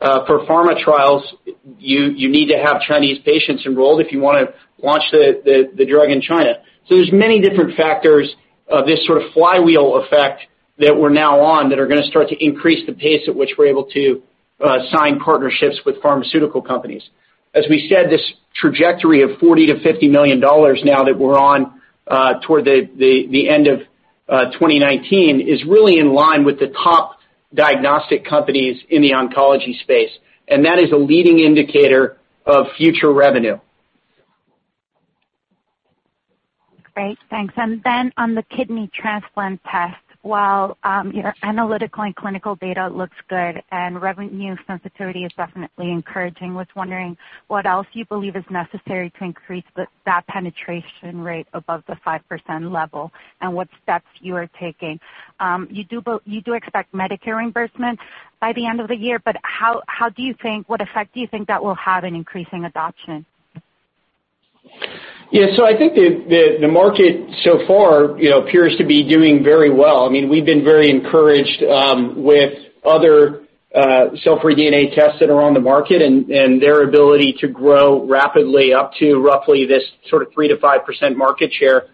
for pharma trials, you need to have Chinese patients enrolled if you want to launch the drug in China. There's many different factors of this sort of flywheel effect that we're now on, that are going to start to increase the pace at which we're able to sign partnerships with pharmaceutical companies. As we said, this trajectory of $40 million to $50 million now that we're on toward the end of 2019 is really in line with the top diagnostic companies in the oncology space, and that is a leading indicator of future revenue. Great, thanks. Then on the kidney transplant test, while your analytical and clinical data looks good and revenue sensitivity is definitely encouraging, was wondering what else you believe is necessary to increase that penetration rate above the 5% level, and what steps you are taking. You do expect Medicare reimbursement by the end of the year, what effect do you think that will have in increasing adoption? Yeah. I think the market so far appears to be doing very well. We've been very encouraged with other cell-free DNA tests that are on the market and their ability to grow rapidly up to roughly this sort of 3%-5% market share.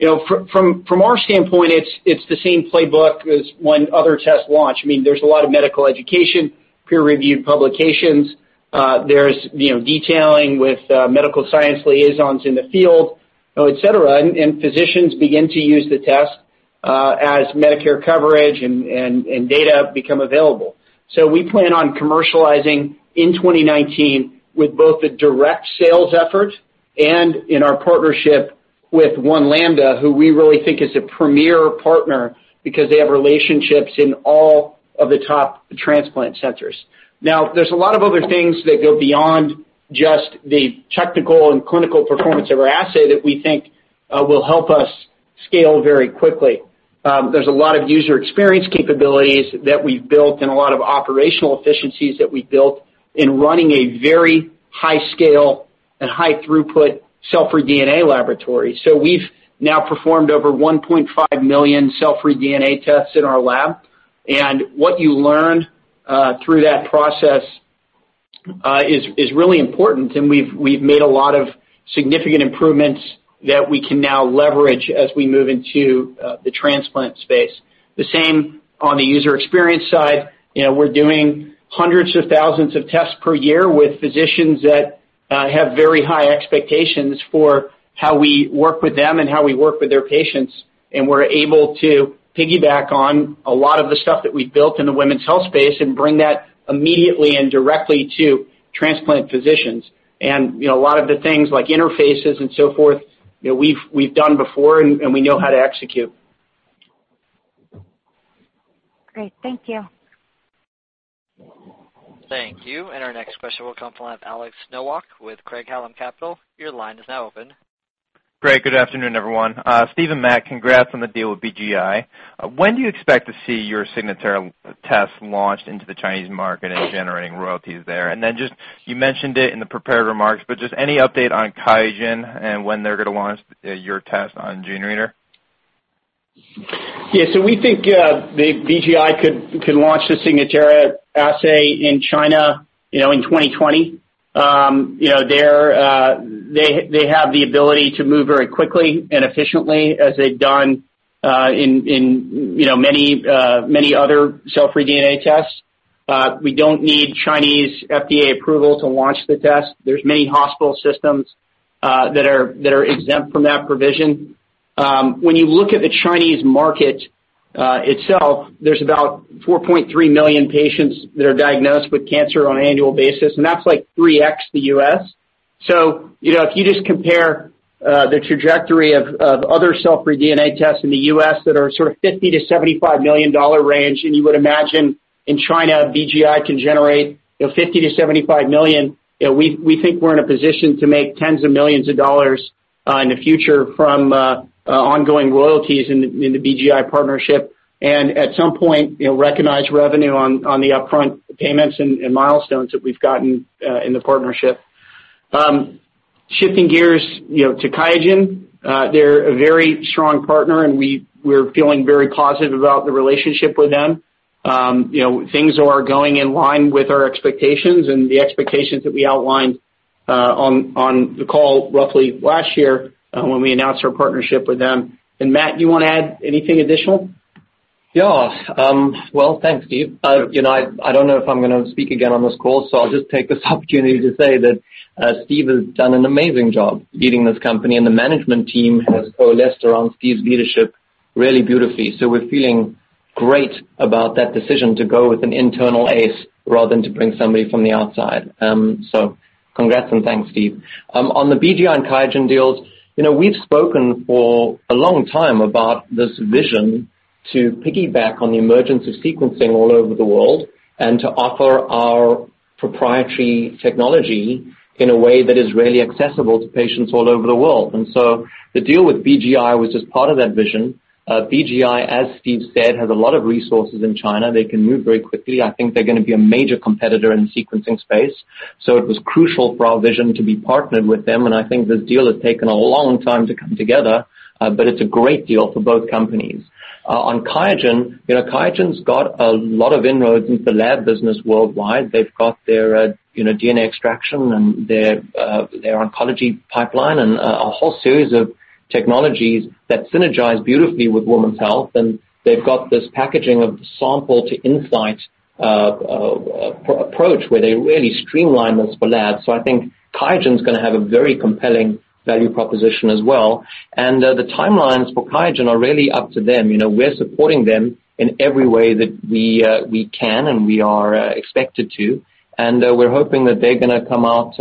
From our standpoint, it's the same playbook as when other tests launch. There's a lot of medical education, peer-reviewed publications. There's detailing with medical science liaisons in the field, et cetera, physicians begin to use the test, as Medicare coverage and data become available. We plan on commercializing in 2019 with both the direct sales effort and in our partnership with One Lambda, who we really think is a premier partner because they have relationships in all of the top transplant centers. Now, there's a lot of other things that go beyond just the technical and clinical performance of our assay that we think will help us scale very quickly. There's a lot of user experience capabilities that we've built and a lot of operational efficiencies that we've built in running a very high scale and high throughput cell-free DNA laboratory. We've now performed over 1.5 million cell-free DNA tests in our lab, and what you learn through that process is really important, and we've made a lot of significant improvements that we can now leverage as we move into the transplant space. The same on the user experience side. We're doing hundreds of thousands of tests per year with physicians that have very high expectations for how we work with them and how we work with their patients. We're able to piggyback on a lot of the stuff that we've built in the women's health space and bring that immediately and directly to transplant physicians. A lot of the things like interfaces and so forth, we've done before and we know how to execute. Great. Thank you. Thank you. Our next question will come from Alex Nowak with Craig-Hallum Capital. Your line is now open. Great. Good afternoon, everyone. Steve and Matt, congrats on the deal with BGI. When do you expect to see your Signatera test launched into the Chinese market and generating royalties there? Then just, you mentioned it in the prepared remarks, but just any update on QIAGEN and when they're going to launch your test on GeneReader? Yeah. We think BGI can launch the Signatera assay in China in 2020. They have the ability to move very quickly and efficiently as they've done in many other cell-free DNA tests. We don't need Chinese FDA approval to launch the test. There's many hospital systems that are exempt from that provision. When you look at the Chinese market itself, there's about $4.3 million patients that are diagnosed with cancer on an annual basis, and that's like 3x the U.S. If you just compare the trajectory of other cell-free DNA tests in the U.S. that are sort of $50 million-$75 million range, and you would imagine in China, BGI can generate $50 million-$75 million. We think we're in a position to make tens of millions of dollars in the future from ongoing royalties in the BGI partnership and at some point, recognize revenue on the upfront payments and milestones that we've gotten in the partnership. Shifting gears to QIAGEN. They're a very strong partner, and we're feeling very positive about the relationship with them. Things are going in line with our expectations and the expectations that we outlined on the call roughly last year when we announced our partnership with them. Matt, you want to add anything additional? Yeah. Well, thanks, Steve. I don't know if I'm going to speak again on this call, so I'll just take this opportunity to say that Steve has done an amazing job leading this company, and the management team has coalesced around Steve's leadership really beautifully. We're feeling great about that decision to go with an internal ace rather than to bring somebody from the outside. Congrats, and thanks, Steve. On the BGI and QIAGEN deals, we've spoken for a long time about this vision to piggyback on the emergence of sequencing all over the world and to offer our proprietary technology in a way that is really accessible to patients all over the world. The deal with BGI was just part of that vision. BGI, as Steve said, has a lot of resources in China. They can move very quickly. I think they're going to be a major competitor in the sequencing space. It was crucial for our vision to be partnered with them, and I think this deal has taken a long time to come together, but it's a great deal for both companies. On QIAGEN's got a lot of inroads into the lab business worldwide. They've got their DNA extraction and their oncology pipeline and a whole series of technologies that synergize beautifully with women's health, and they've got this packaging of the Sample to Insight approach, where they really streamline this for labs. I think QIAGEN's going to have a very compelling value proposition as well. The timelines for QIAGEN are really up to them. We're supporting them in every way that we can, and we are expected to. We're hoping that they're going to come out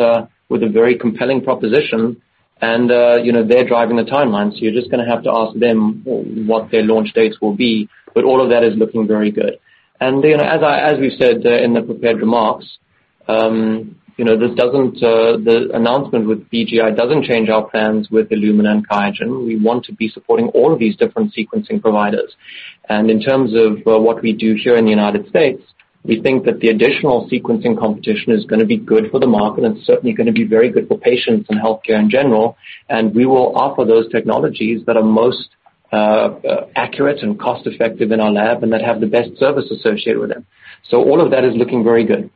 with a very compelling proposition and they're driving the timeline, so you're just going to have to ask them what their launch dates will be, but all of that is looking very good. As we've said in the prepared remarks, the announcement with BGI doesn't change our plans with Illumina and QIAGEN. We want to be supporting all of these different sequencing providers. In terms of what we do here in the U.S., we think that the additional sequencing competition is going to be good for the market and certainly going to be very good for patients and healthcare in general. We will offer those technologies that are most accurate and cost-effective in our lab and that have the best service associated with them. All of that is looking very good.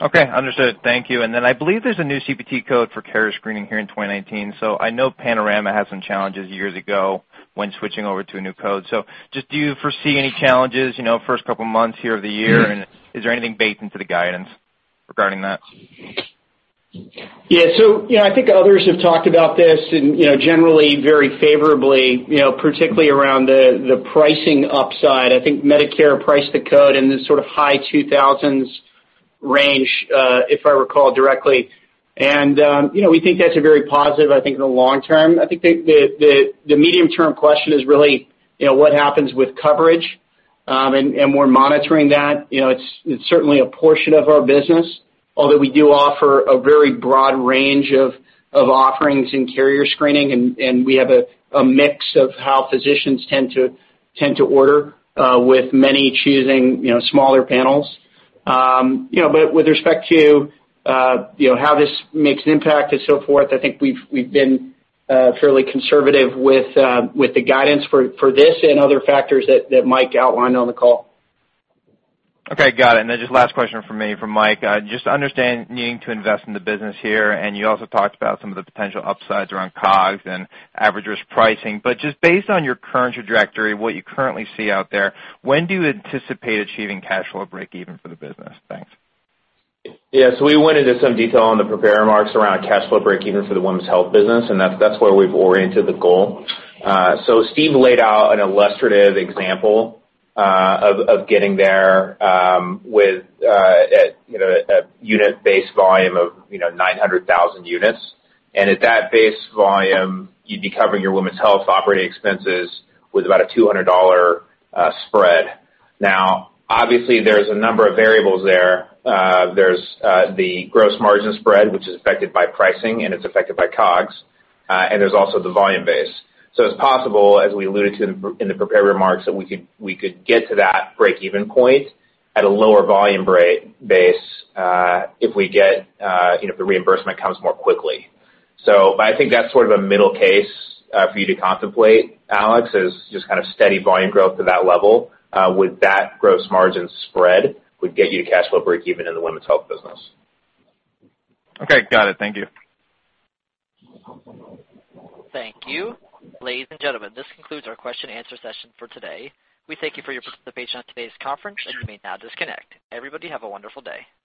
Okay, understood. Thank you. I believe there's a new CPT code for carrier screening here in 2019. I know Panorama had some challenges years ago when switching over to a new code. Do you foresee any challenges, first couple of months here of the year, is there anything baked into the guidance regarding that? I think others have talked about this and generally very favorably, particularly around the pricing upside. Medicare priced the code in the sort of high $2,000s range, if I recall directly. We think that's a very positive, in the long term. The medium-term question is really what happens with coverage, and we're monitoring that. It's certainly a portion of our business, although we do offer a very broad range of offerings in carrier screening, and we have a mix of how physicians tend to order, with many choosing smaller panels. With respect to how this makes an impact and so forth, we've been fairly conservative with the guidance for this and other factors that Mike outlined on the call. Okay. Got it. Last question from me for Mike. Just understand needing to invest in the business here, and you also talked about some of the potential upsides around COGS and at-risk pricing. Based on your current trajectory, what you currently see out there, when do you anticipate achieving cash flow breakeven for the business? Thanks. Yeah. We went into some detail in the prepared remarks around cash flow breakeven for the women's health business, and that's where we've oriented the goal. Steve laid out an illustrative example of getting there with a unit-based volume of 900,000 units. At that base volume, you'd be covering your women's health operating expenses with about a $200 spread. Now, obviously, there's a number of variables there. There's the gross margin spread, which is affected by pricing, and it's affected by COGS. There's also the volume base. It's possible, as we alluded to in the prepared remarks, that we could get to that breakeven point at a lower volume base, if the reimbursement comes more quickly. I think that's sort of a middle case for you to contemplate, Alex, is just kind of steady volume growth to that level. With that gross margin spread would get you to cash flow breakeven in the women's health business. Okay. Got it. Thank you. Thank you. Ladies and gentlemen, this concludes our question and answer session for today. We thank you for your participation on today's conference, and you may now disconnect. Everybody have a wonderful day.